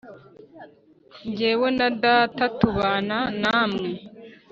Njyewe Na data tubana namwe